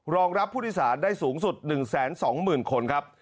รองรับผู้โดยสารได้สูงสุด๑๒๐๐๐คนครับ